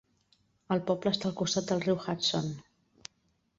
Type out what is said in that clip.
El poble està al costat del riu Hudson.